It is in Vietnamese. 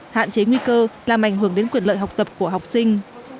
hạn chế nguy cơ làm ảnh hưởng đến quyền lợi học tập của học sinh